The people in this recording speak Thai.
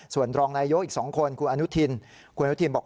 ส่วนรองนายยกอีก๒คนคุณอนุทินคุณอนุทินบอก